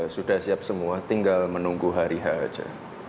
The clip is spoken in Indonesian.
sudah siap semua tinggal menunggu hari hari aja